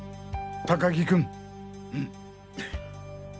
高木君。